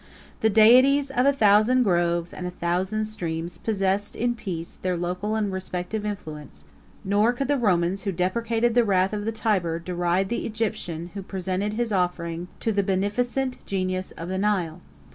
The deities of a thousand groves and a thousand streams possessed, in peace, their local and respective influence; nor could the Romans who deprecated the wrath of the Tiber, deride the Egyptian who presented his offering to the beneficent genius of the Nile.